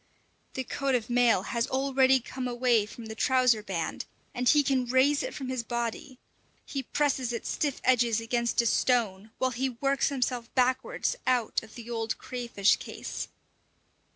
The coat of mail has already come away from the trouser band, and he can raise it from his body; he presses its stiff edges against a stone, while he works himself backwards out of the old crayfish case.